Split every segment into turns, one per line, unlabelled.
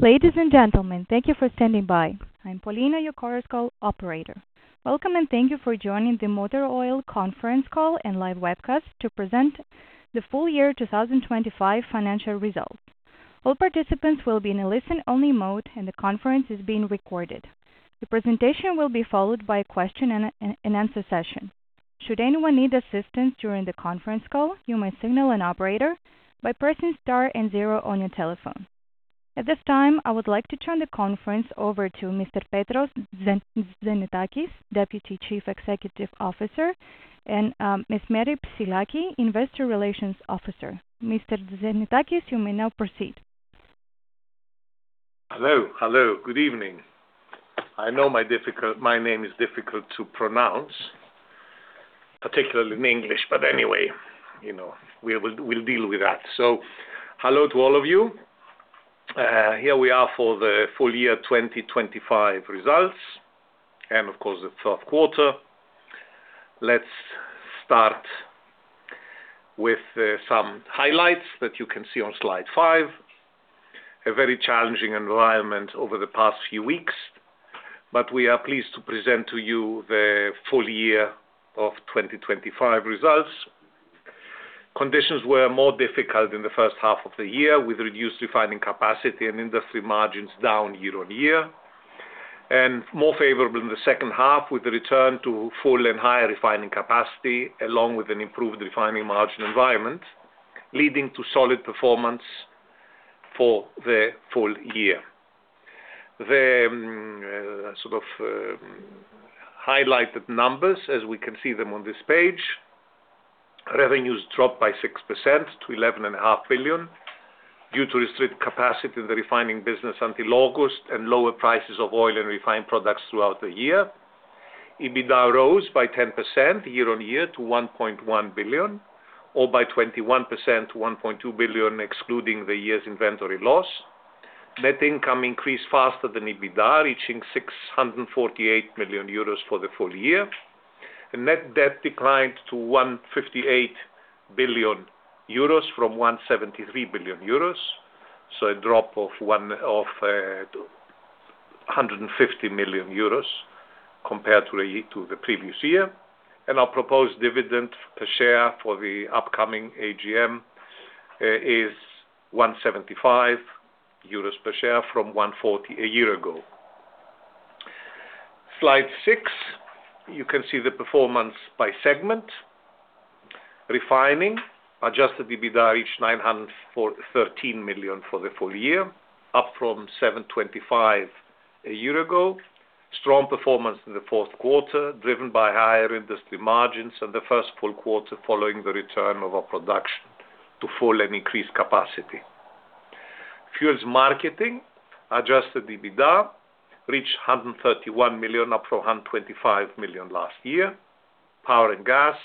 Ladies and gentlemen, thank you for standing by. I'm Paulina, your Chorus Call operator. Welcome, and thank you for joining the Motor Oil conference call and live webcast to present the full year 2025 financial results. All participants will be in a listen-only mode, and the conference is being recorded. The presentation will be followed by a question and an answer session. Should anyone need assistance during the conference call, you may signal an operator by pressing star and zero on your telephone. At this time, I would like to turn the conference over to Mr. Petros Tzannetakis, Deputy Chief Executive Officer, and Ms. Mary Psyllaki, Investor Relations Officer. Mr. Tzannetakis, you may now proceed.
Hello. Hello. Good evening. I know my name is difficult to pronounce, particularly in English. But anyway, you know, we'll deal with that. Hello to all of you. Here we are for the full year 2025 results and of course, the third quarter. Let's start with some highlights that you can see on slide 5. A very challenging environment over the past few weeks, but we are pleased to present to you the full year of 2025 results. Conditions were more difficult in the first half of the year, with reduced refining capacity and industry margins down year-on-year. More favorable in the second half with the return to full and higher refining capacity, along with an improved refining margin environment, leading to solid performance for the full year. The sort of highlighted numbers as we can see them on this page. Revenues dropped by 6% to 11.5 billion due to restricted capacity in the refining business until August and lower prices of oil and refined products throughout the year. EBITDA rose by 10% year-on-year to 1.1 billion, or by 21% to 1.2 billion, excluding the year's inventory loss. Net income increased faster than EBITDA, reaching 648 million euros for the full year. Net debt declined to 158 million euros from 173 million euros, so a drop of 15 million euros compared to the previous year. Our proposed dividend per share for the upcoming AGM is 1.75 euros per share from 1.40 a year ago. Slide 6, you can see the performance by segment. Refining, adjusted EBITDA reached 913 million for the full year, up from 725 million a year ago. Strong performance in the fourth quarter, driven by higher industry margins and the first full quarter following the return of our production to full and increased capacity. Fuels marketing, adjusted EBITDA reached 131 million, up from 125 million last year. Power and gas,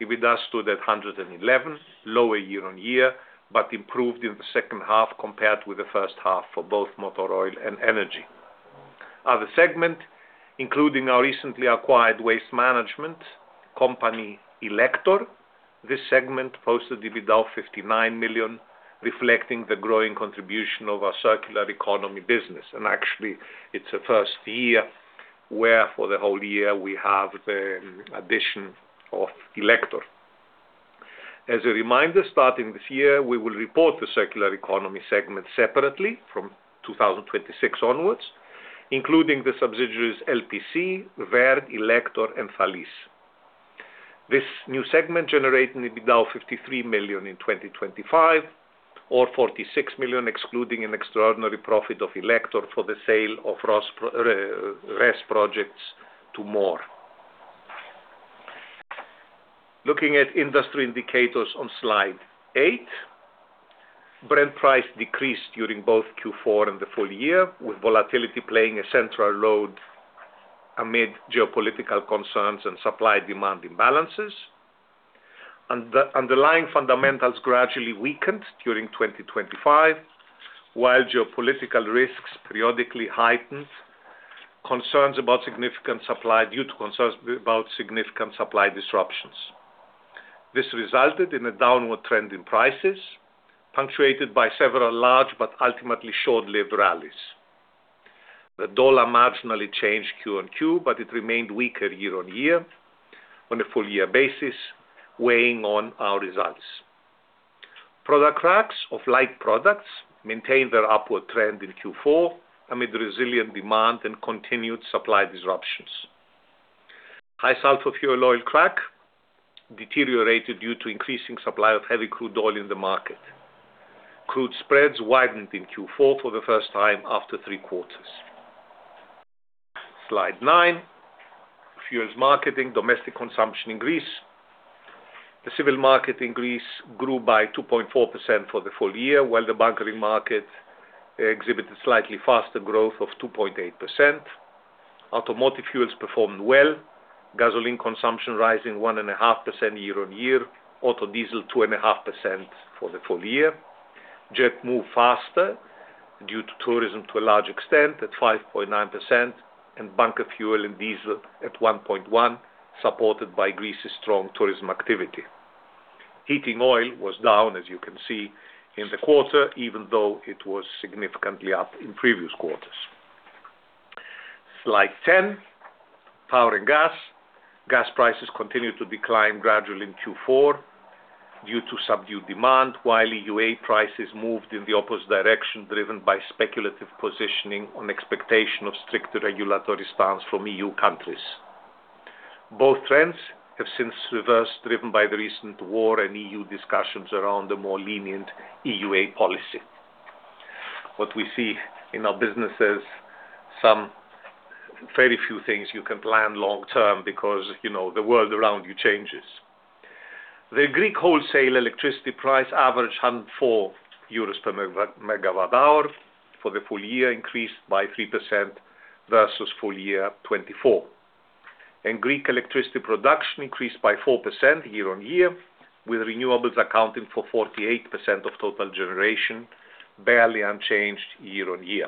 EBITDA stood at 111 million, lower year-on-year, but improved in the second half compared with the first half for both Motor Oil and energy. Other segment, including our recently acquired waste management company, Ellaktor. This segment posted EBITDA of 59 million, reflecting the growing contribution of our circular economy business. Actually, it's the first year where for the whole year we have the addition of Ellaktor. As a reminder, starting this year, we will report the circular economy segment separately from 2026 onwards, including the subsidiaries LPC, Verve, Ellaktor and Thalis. This new segment generating EBITDA of 53 million in 2025 or 46 million, excluding an extraordinary profit of Ellaktor for the sale of Ros RES projects to MORE. Looking at industry indicators on slide 8. Brent price decreased during both Q4 and the full year, with volatility playing a central role amid geopolitical concerns and supply-demand imbalances. Underlying fundamentals gradually weakened during 2025, while geopolitical risks periodically heightened concerns about significant supply disruptions. This resulted in a downward trend in prices, punctuated by several large but ultimately short-lived rallies. The dollar marginally changed Q-on-Q, but it remained weaker year-on-year on a full year basis, weighing on our results. Product cracks of light products maintained their upward trend in Q4 amid resilient demand and continued supply disruptions. High sulfur fuel oil crack deteriorated due to increasing supply of heavy crude oil in the market. Crude spreads widened in Q4 for the first time after three quarters. Slide nine. Fuels marketing. Domestic consumption in Greece. The civil market in Greece grew by 2.4% for the full year, while the bunkering market exhibited slightly faster growth of 2.8%. Automotive fuels performed well, gasoline consumption rising 1.5% year-on-year. Auto diesel, 2.5% for the full year. Jet fuel moved faster due to tourism to a large extent at 5.9% and bunker fuel and diesel at 1.1%, supported by Greece's strong tourism activity. Heating oil was down, as you can see in the quarter, even though it was significantly up in previous quarters. Slide 10, power and gas. Gas prices continued to decline gradually in Q4 due to subdued demand, while EUA prices moved in the opposite direction, driven by speculative positioning on expectation of stricter regulatory stance from EU countries. Both trends have since reversed, driven by the recent war and EU discussions around the more lenient EUA policy. What we see in our businesses, some very few things you can plan long term because, you know, the world around you changes. The Greek wholesale electricity price averaged 104 euros per MWh for the full year, increased by 3% versus full year 2024. Greek electricity production increased by 4% year-on-year, with renewables accounting for 48% of total generation, barely unchanged year-on-year.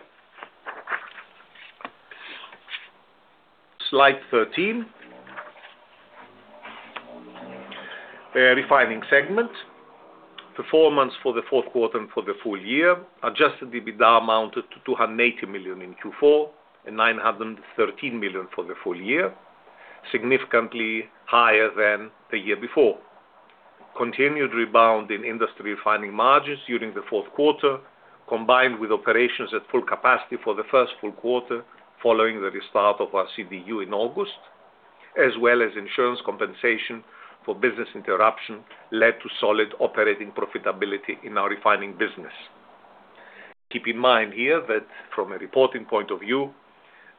Slide 13, refining segment. Performance for the fourth quarter and for the full year. Adjusted EBITDA amounted to 280 million in Q4 and 913 million for the full year, significantly higher than the year before. Continued rebound in industry refining margins during the fourth quarter, combined with operations at full capacity for the first full quarter following the restart of our CDU in August, as well as insurance compensation for business interruption, led to solid operating profitability in our refining business. Keep in mind here that from a reporting point of view,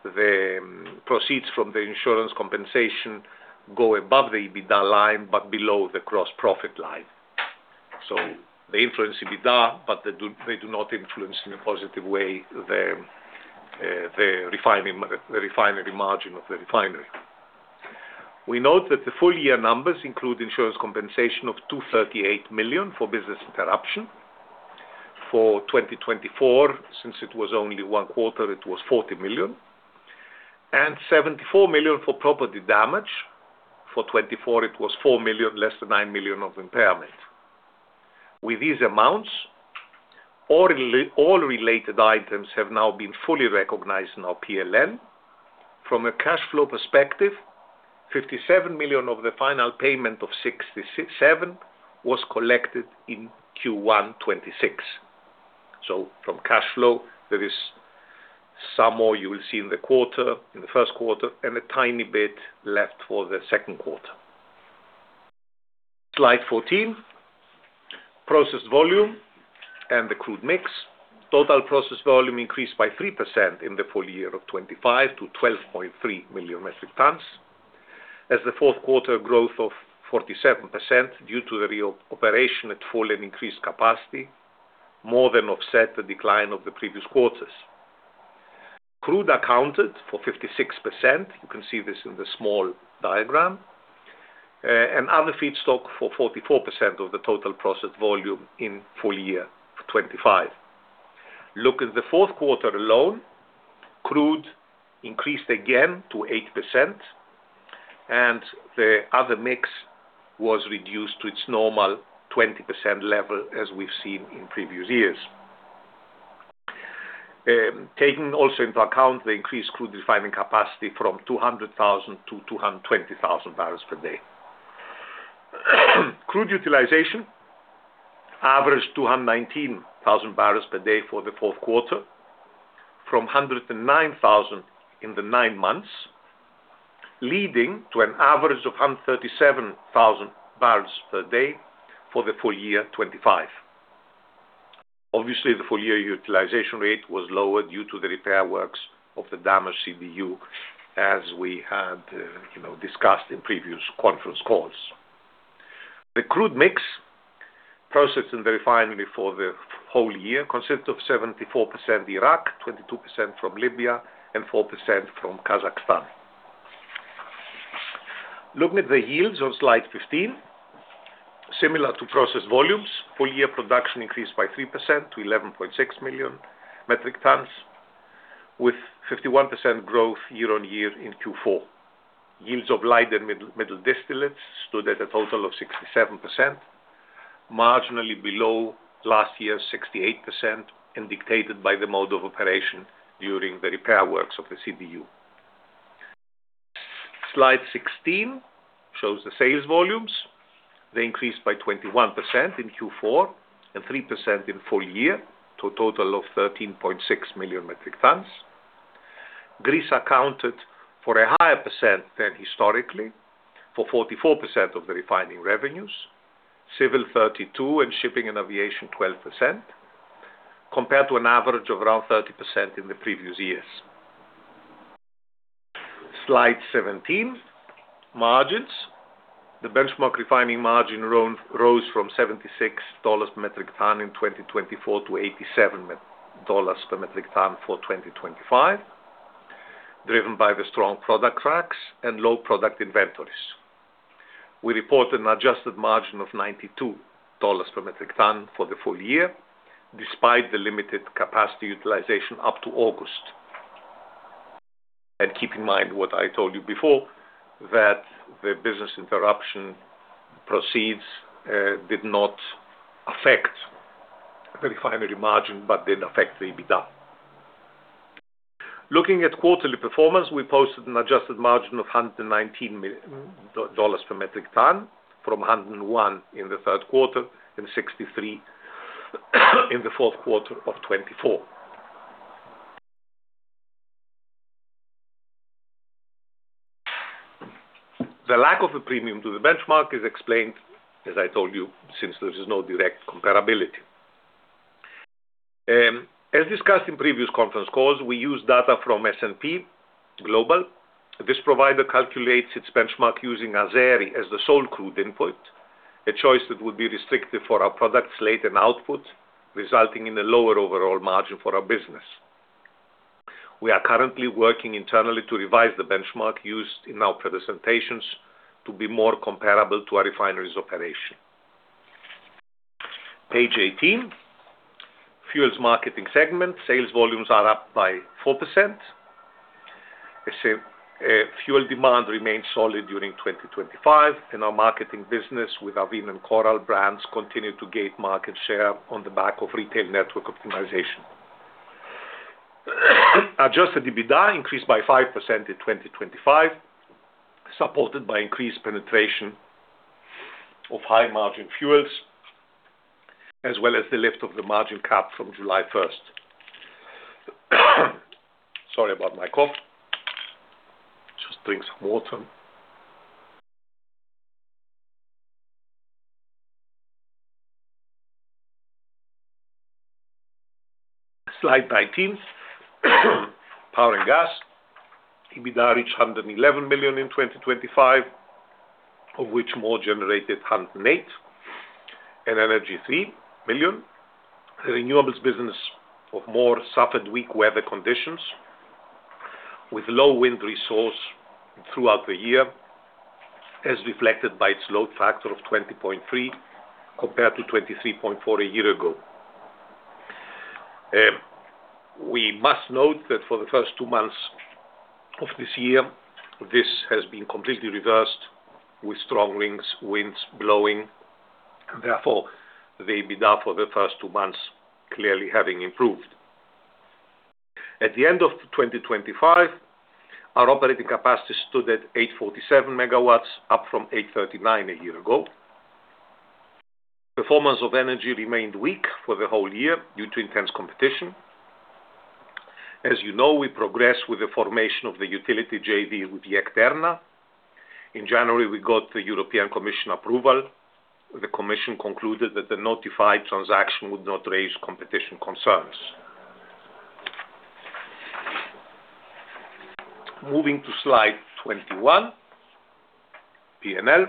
the proceeds from the insurance compensation go above the EBITDA line, but below the gross profit line. They influence EBITDA, but they do not influence in a positive way the refinery margin of the refinery. We note that the full year numbers include insurance compensation of 238 million for business interruption. For 2024, since it was only one quarter, it was 40 million and 74 million for property damage. For 2024 it was 4 million, less than 9 million of impairment. With these amounts, all related items have now been fully recognized in our P&L. From a cash flow perspective, 57 million of the final payment of 67 was collected in Q1 2026. From cash flow, there is some more you will see in the quarter, in the first quarter, and a tiny bit left for the second quarter. Slide 14, processed volume and the crude mix. Total processed volume increased by 3% in the full year of 2025 to 12.3 million metric tons. As the fourth quarter growth of 47% due to the reoperation at full and increased capacity more than offset the decline of the previous quarters. Crude accounted for 56%. You can see this in the small diagram. And other feedstock for 44% of the total processed volume in full year 2025. Look at the fourth quarter alone, crude increased again to eighty percent and the other mix was reduced to its normal 20% level, as we've seen in previous years. Taking also into account the increased crude refining capacity from 200,000-220,000 bbl per day. Crude utilization averaged 219,000 bbl per day for the fourth quarter from 109,000 in the nine months, leading to an average of 137,000 bbl per day for the full year 2025. Obviously, the full year utilization rate was lower due to the repair works of the damaged CDU, as we had discussed in previous conference calls. The crude mix processed and refined for the whole year consists of 74% Iraq, 22% from Libya, and 4% from Kazakhstan. Looking at the yields on slide 15. Similar to processed volumes, full year production increased by 3% to 11.6 million metric tons with 51% growth year-on-year in Q4. Yields of light and middle distillates stood at a total of 67%, marginally below last year's 68%, and dictated by the mode of operation during the repair works of the CDU. Slide 16 shows the sales volumes. They increased by 21% in Q4 and 3% in full year to a total of 13.6 million metric tons. Greece accounted for a higher percent than historically, for 44% of the refining revenues, local 32%, and shipping and aviation 12%, compared to an average of around 30% in the previous years. Slide 17, margins. The benchmark refining margin rose from $76 per metric ton in 2024 to $87 per metric ton for 2025, driven by the strong product cracks and low product inventories. We report an adjusted margin of $92 per metric ton for the full year, despite the limited capacity utilization up to August. Keep in mind what I told you before, that the business interruption proceeds did not affect the refinery margin but did affect the EBITDA. Looking at quarterly performance, we posted an adjusted margin of $119 per metric ton from $101 in the third quarter and $63 in the fourth quarter of 2024. The lack of a premium to the benchmark is explained, as I told you, since there is no direct comparability. As discussed in previous conference calls, we use data from S&P Global. This provider calculates its benchmark using Azeri as the sole crude input, a choice that would be restrictive for our product slate and output, resulting in a lower overall margin for our business. We are currently working internally to revise the benchmark used in our presentations to be more comparable to our refinery's operation. Page 18. Fuels Marketing Segment. Sales volumes are up by 4%. Fuel demand remained solid during 2025, and our marketing business with Avin and Coral brands continued to gain market share on the back of retail network optimization. Adjusted EBITDA increased by 5% in 2025, supported by increased penetration of high-margin fuels, as well as the lift of the margin cap from July 1. Sorry about my cough. Just drink some water. Slide 19. Power and gas. EBITDA reached 111 million in 2025, of which MORE generated 108 million, and energy 3 million. The renewables business of MORE suffered weak weather conditions with low wind resource throughout the year, as reflected by its load factor of 20.3% compared to 23.4% a year ago. We must note that for the first two months of this year, this has been completely reversed with strong winds blowing. Therefore, the EBITDA for the first two months clearly having improved. At the end of 2025, our operating capacity stood at 847 MW, up from 839 MW a year ago. Performance of energy remained weak for the whole year due to intense competition. As you know, we progressed with the formation of the utility JV with Terna Energy. In January, we got the European Commission approval. The Commission concluded that the notified transaction would not raise competition concerns. Moving to slide 21, P&L.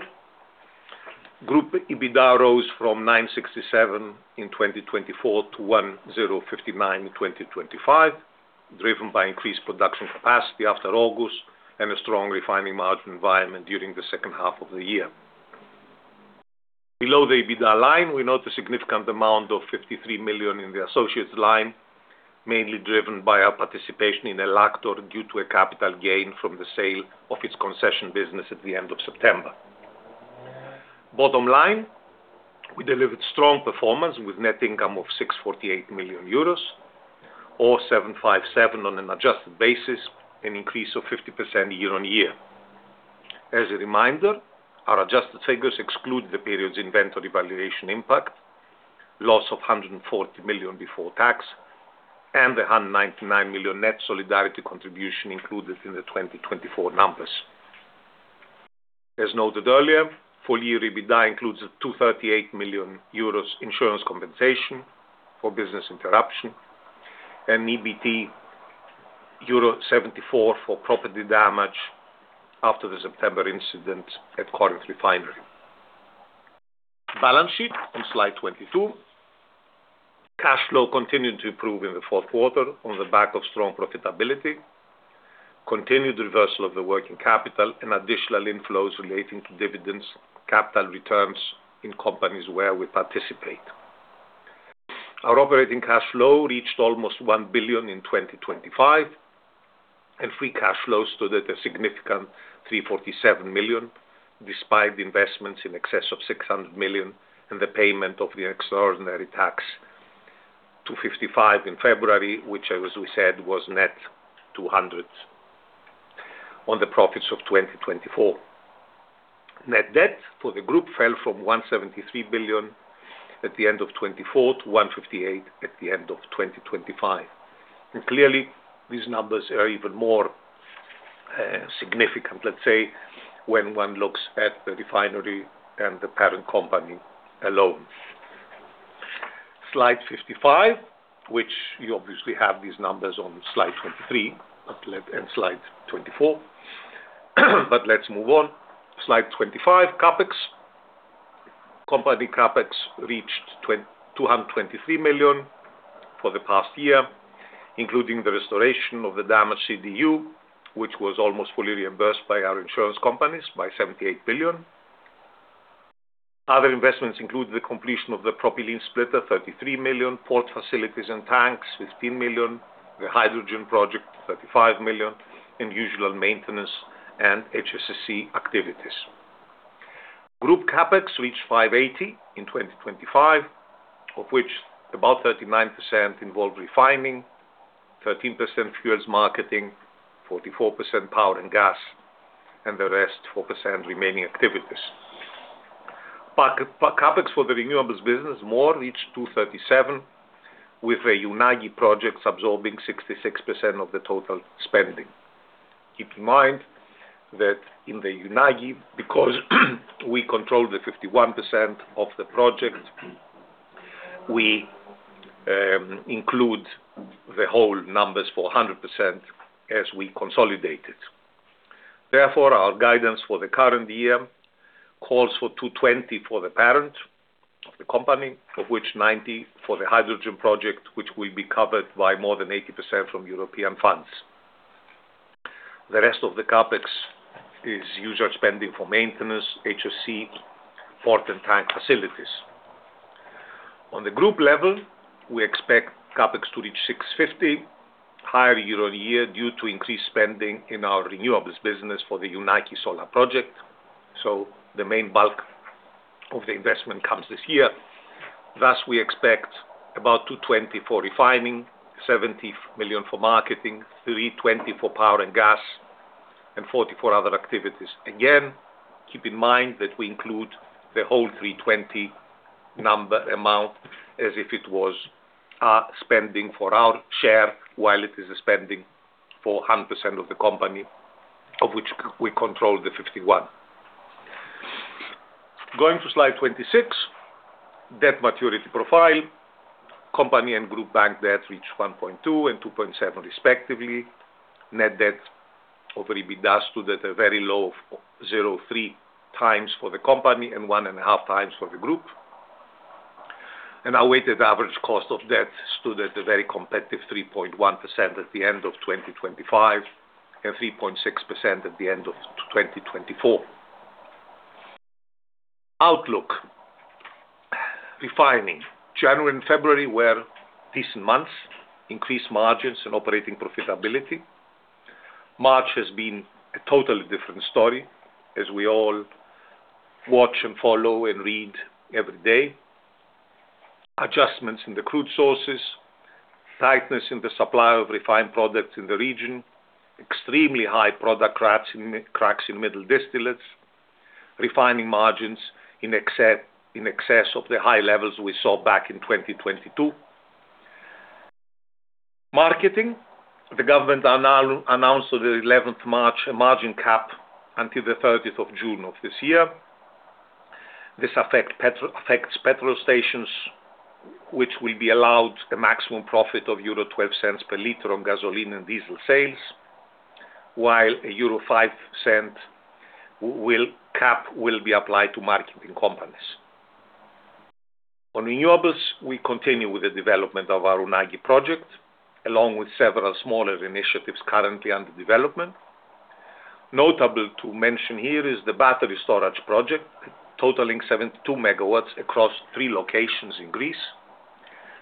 Group EBITDA rose from 967 million in 2024 to 1,059 million in 2025, driven by increased production capacity after August and a strong refining margin environment during the second half of the year. Below the EBITDA line, we note a significant amount of 53 million in the associates line, mainly driven by our participation in Ellaktor due to a capital gain from the sale of its concession business at the end of September. Bottom line, we delivered strong performance with net income of 648 million euros or 757 on an adjusted basis, an increase of 50% year-on-year. As a reminder, our adjusted figures exclude the period's inventory valuation impact, loss of 140 million before tax, and the 199 million net solidarity contribution included in the 2024 numbers. As noted earlier, full-year EBITDA includes a 238 million euros insurance compensation for business interruption and EBT euro 74 for property damage after the September incident at Corinth Refinery. Balance sheet on slide 22. Cash flow continued to improve in the fourth quarter on the back of strong profitability, continued reversal of the working capital and additional inflows relating to dividends, capital returns in companies where we participate. Our operating cash flow reached almost 1 billion in 2025, and free cash flow stood at a significant 347 million, despite investments in excess of 600 million and the payment of the extraordinary tax, 255 million in February, which as we said was net 200 million on the profits of 2024. Net debt for the group fell from 173 million at the end of 2024 to 158 million at the end of 2025. Clearly, these numbers are even more significant, let's say, when one looks at the refinery and the parent company alone. Slide 55, which you obviously have these numbers on slide 23 at left and slide 24. Let's move on. Slide 25, CapEx. Company CapEx reached 223 million for the past year, including the restoration of the damaged CDU, which was almost fully reimbursed by our insurance companies, 78 million. Other investments include the completion of the propylene splitter, 33 million, port facilities and tanks, 15 million, the hydrogen project, 35 million, and usual maintenance and HSE activities. Group CapEx reached 580 million in 2025, of which about 39% involve refining, 13% fuels marketing, 44% power and gas, and the rest 4% remaining activities. CapEx for the renewables business MORE reached 237 million, with the Unagi project absorbing 66% of the total spending. Keep in mind that in the Unagi, because we control the 51% of the project, we include the whole numbers for 100% as we consolidate it. Therefore, our guidance for the current year calls for 220 million for the parent of the company, of which 90 million for the hydrogen project, which will be covered by more than 80% from European funds. The rest of the CapEx is usual spending for maintenance, HSE, port and tank facilities. On the group level, we expect CapEx to reach 650 million, higher year-over-year due to increased spending in our renewables business for the Unagi Solar project. The main bulk of the investment comes this year. Thus, we expect about 220 million for refining, 70 million for marketing, 320 million for power and gas, and 44 million other activities. Again, keep in mind that we include the whole 320 million amount as if it was spending for our share while it is spending for 100% of the company, of which we control the 51%. Going to slide 26, debt maturity profile. Company and group bank debt reached 1.2 billion and 2.7 billion respectively. Net debt over EBITDA stood at a very low of 0.3x for the company and 1.5x for the group. Our weighted average cost of debt stood at a very competitive 3.1% at the end of 2025 and 3.6% at the end of 2024. Outlook. Refining. January and February were decent months, increased margins and operating profitability. March has been a totally different story, as we all watch and follow and read every day. Adjustments in the crude sources, tightness in the supply of refined products in the region, extremely high product cracks in middle distillates, refining margins in excess of the high levels we saw back in 2022. Marketing. The government announced on the 11 March a margin cap until the 30 June of this year. This affects petrol stations, which will be allowed a maximum profit of 0.12 per liter on gasoline and diesel sales, while a 0.05 cap will be applied to marketing companies. On renewables, we continue with the development of our Unagi project, along with several smaller initiatives currently under development. Notable to mention here is the battery storage project, totaling 72 MW across three locations in Greece,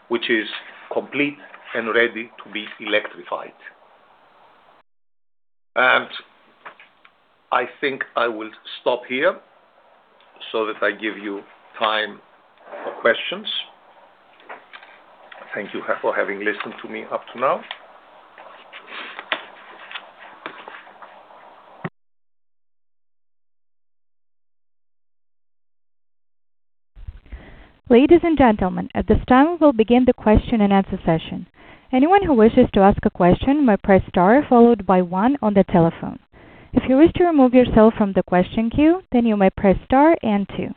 which is complete and ready to be electrified. I think I will stop here so that I give you time for questions. Thank you for having listened to me up to now.
Ladies and gentlemen, at this time, we'll begin the question and answer session. Anyone who wishes to ask a question may press star followed by one on the telephone. If you wish to remove yourself from the question queue, then you may press star and two.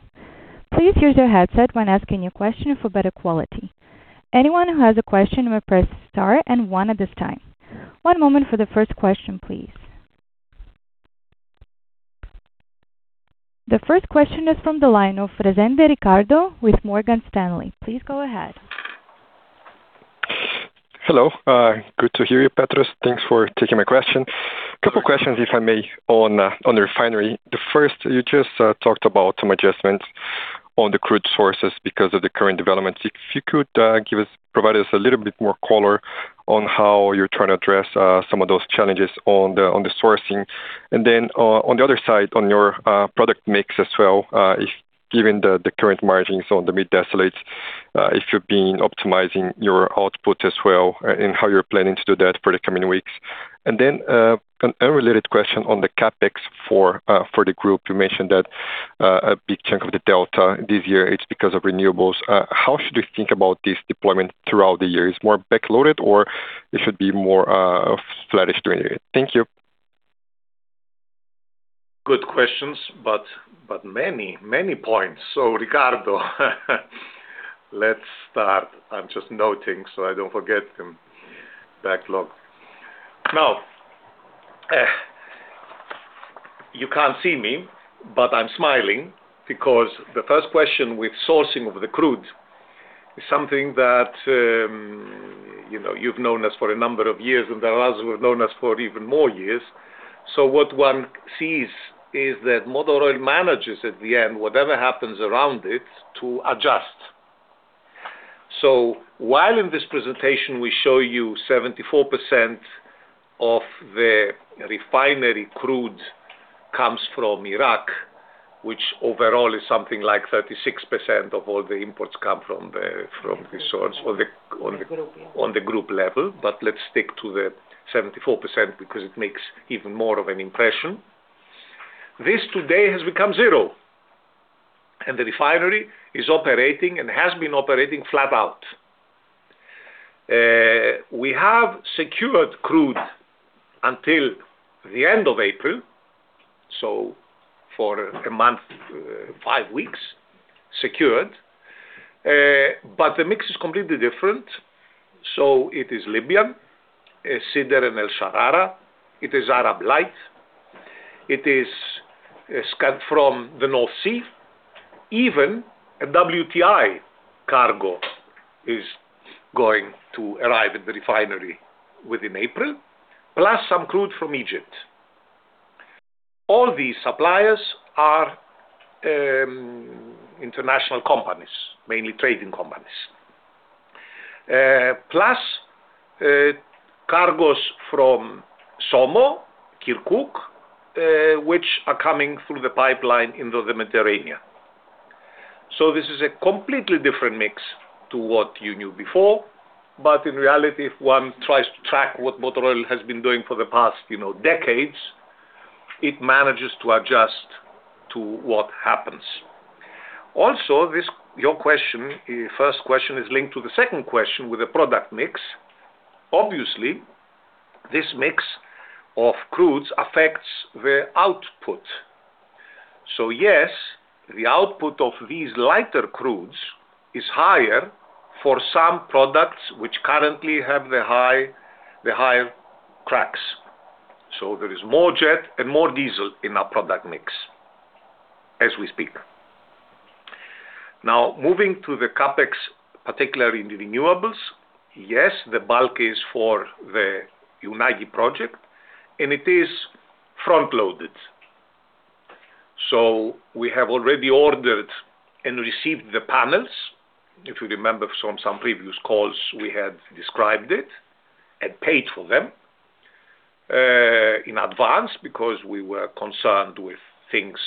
Please use your headset when asking your question for better quality. Anyone who has a question may press star and one at this time. One moment for the first question, please. The first question is from the line of Ricardo Rezende with Morgan Stanley. Please go ahead.
Hello. Good to hear you, Petros. Thanks for taking my question. Couple questions, if I may, on the refinery. The first, you just talked about some adjustments on the crude sources because of the current developments. If you could provide us a little bit more color on how you're trying to address some of those challenges on the sourcing. On the other side, on your product mix as well, if given the current margins on the middle distillates, if you're being optimizing your output as well and how you're planning to do that for the coming weeks. An unrelated question on the CapEx for the group. You mentioned that a big chunk of the delta this year, it's because of renewables. How should we think about this deployment throughout the year? Is it more back-loaded or it should be more, flattish during it? Thank you.
Good questions, but many points. Ricardo, let's start. I'm just noting, so I don't forget them. Backlog. Now, you can't see me, but I'm smiling because the first question with sourcing of the crude. Something that, you know, you've known us for a number of years, and there are others who have known us for even more years. What one sees is that Motor Oil manages at the end, whatever happens around it, to adjust. While in this presentation we show you 74% of the refinery crude comes from Iraq, which overall is something like 36% of all the imports come from the source-
The group, yeah.
On the group level. Let's stick to the 74% because it makes even more of an impression. This today has become zero, and the refinery is operating and has been operating flat out. We have secured crude until the end of April, so for a month, five weeks secured. The mix is completely different. It is Libyan, Es Sider and Es Sharara. It is Arab Light. It is SCAD from the North Sea. Even a WTI cargo is going to arrive at the refinery within April, plus some crude from Egypt. All these suppliers are international companies, mainly trading companies. Plus, cargos from SOMO, Kirkuk, which are coming through the pipeline into the Mediterranean. This is a completely different mix to what you knew before. In reality, if one tries to track what Motor Oil has been doing for the past, you know, decades, it manages to adjust to what happens. Also, your first question is linked to the second question with the product mix. Obviously, this mix of crudes affects the output. Yes, the output of these lighter crudes is higher for some products which currently have the high cracks. There is more jet and more diesel in our product mix as we speak. Now, moving to the CapEx, particularly in the renewables. Yes, the bulk is for the Unagi project, and it is front-loaded. We have already ordered and received the panels. If you remember from some previous calls, we had described it and paid for them in advance because we were concerned with things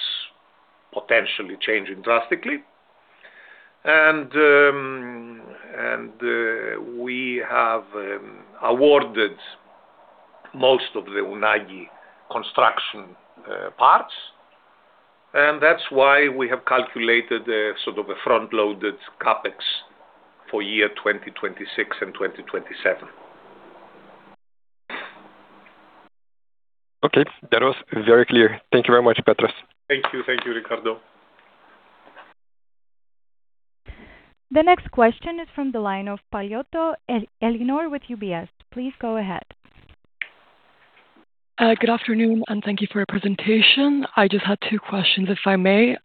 potentially changing drastically. We have awarded most of the Unagi construction parts, and that's why we have calculated a sort of a front-loaded CapEx for year 2026 and 2027.
Okay. That was very clear. Thank you very much, Petros.
Thank you. Thank you, Ricardo.
The next question is from the line of Ellinor Paliotto with UBS. Please go ahead.
Good afternoon, and thank you for your presentation. I just had two questions, if I may.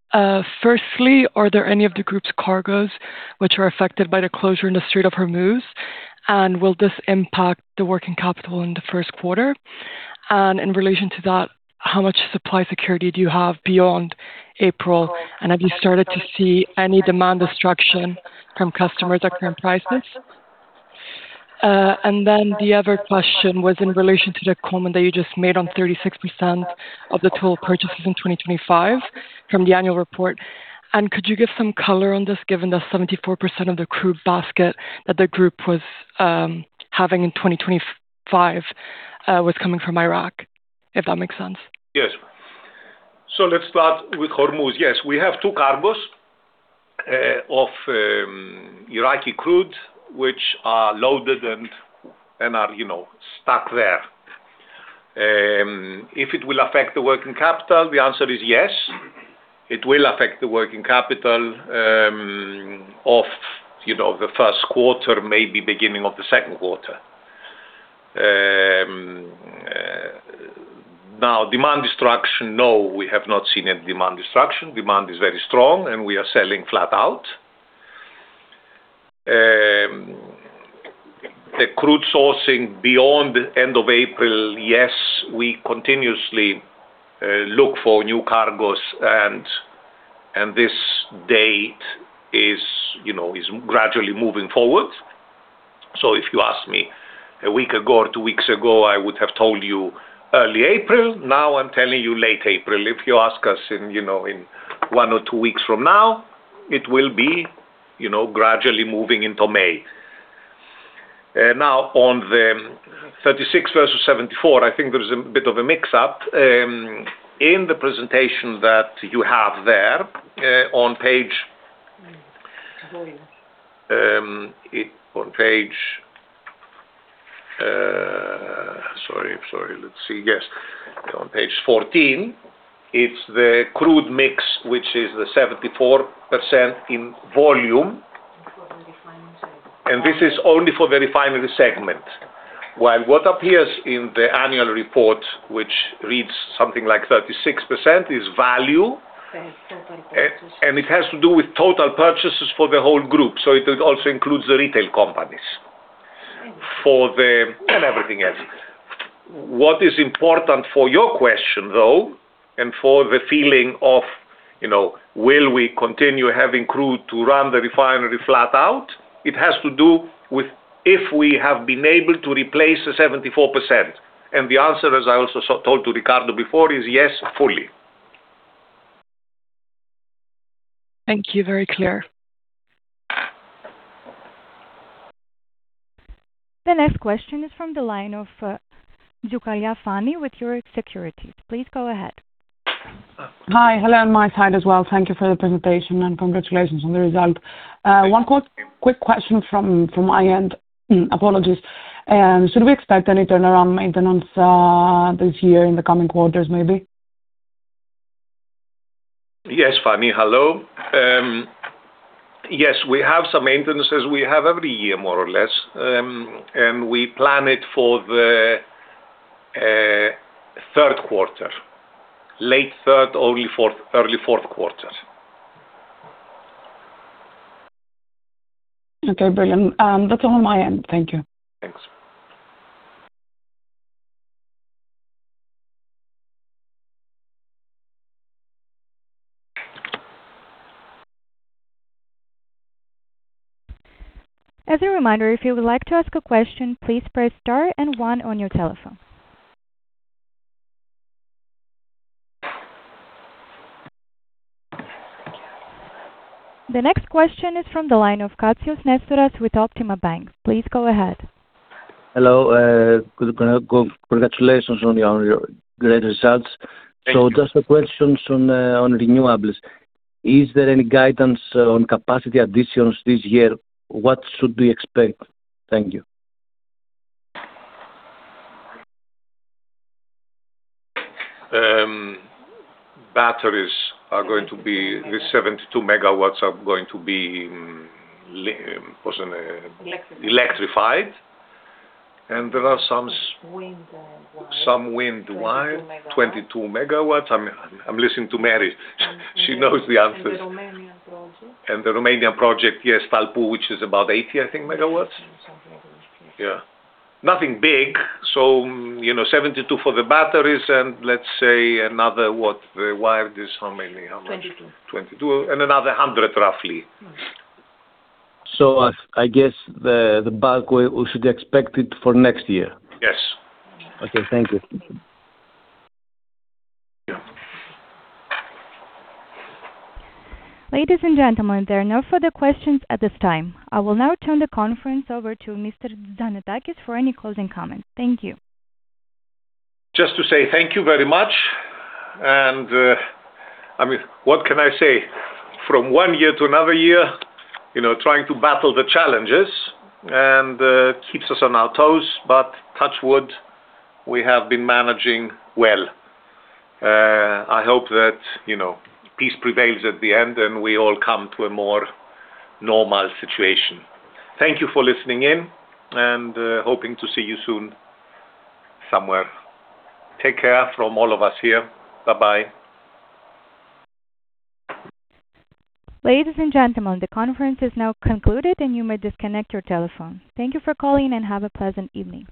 Firstly, are there any of the group's cargoes which are affected by the closure in the Strait of Hormuz? Will this impact the working capital in the first quarter? In relation to that, how much supply security do you have beyond April? Have you started to see any demand destruction from customers at current prices? Then the other question was in relation to the comment that you just made on 36% of the total purchases in 2025 from the annual report. Could you give some color on this, given that 74% of the crude basket that the group was having in 2025 was coming from Iraq, if that makes sense.
Yes. Let's start with Hormuz. Yes. We have two cargoes of Iraqi crude, which are loaded and are, you know, stuck there. If it will affect the working capital, the answer is yes, it will affect the working capital of, you know, the first quarter, maybe beginning of the second quarter. Now demand destruction, no, we have not seen any demand destruction. Demand is very strong, and we are selling flat out. The crude sourcing beyond end of April, yes, we continuously look for new cargoes and this date is, you know, is gradually moving forward. If you ask me a week ago or 2 weeks ago, I would have told you early April. Now I'm telling you late April. If you ask us in, you know, in 1 or 2 weeks from now, it will be, you know, gradually moving into May. Now on the 36 versus 74, I think there is a bit of a mix-up. In the presentation that you have there, on page 14, it's the crude mix, which is the 74% in volume.
For the refinery.
This is only for the refinery segment. Well, what appears in the annual report, which reads something like 36%, is value total purchases. It has to do with total purchases for the whole group. So it also includes the retail companies. Everything else. What is important for your question, though, and for the feeling of, you know, will we continue having crude to run the refinery flat out, it has to do with if we have been able to replace the 74%. The answer, as I also told to Ricardo before, is yes, fully.
Thank you. Very clear.
The next question is from the line of Fani Tzioukalia with Euroxx Securities. Please go ahead.
Hi. Hello on my side as well. Thank you for the presentation and congratulations on the result. One quick question from my end. Apologies. Should we expect any turnaround maintenance this year in the coming quarters, maybe?
Yes. Fani. Hello. Yes, we have some maintenances every year, more or less. We plan it for the third quarter. Late third, early fourth quarter.
Okay. Brilliant. That's all on my end. Thank you.
Thanks.
As a reminder, if you would like to ask a question, please press star and one on your telephone. The next question is from the line of Nestoras Katsios with Optima Bank. Please go ahead.
Hello. Congratulations on your great results.
Thank you.
Just a question on renewables. Is there any guidance on capacity additions this year? What should we expect? Thank you.
Batteries are going to be electrified. The 72 MW are going to be electrified. There are some wind hybrid. 22 MW. I'm listening to Mary. She knows the answers. The Romanian project. Yes, Talpa, which is about 80, I think, MW. Something like this, yes. Yeah. Nothing big. You know, 72 for the batteries and let's say another what? The hybrid is how many? How much? 22. And another 100, roughly.
I guess the bulk we should expect it for next year.
Yes.
Okay. Thank you.
Yeah.
Ladies and gentlemen, there are no further questions at this time. I will now turn the conference over to Mr. Tzannetakis for any closing comments. Thank you.
Just to say thank you very much. I mean, what can I say? From one year to another year, you know, trying to battle the challenges and keeps us on our toes, but touch wood, we have been managing well. I hope that, you know, peace prevails at the end, and we all come to a more normal situation. Thank you for listening in, and hoping to see you soon somewhere. Take care from all of us here. Bye-bye.
Ladies and gentlemen, the conference is now concluded, and you may disconnect your telephone. Thank you for calling and have a pleasant evening.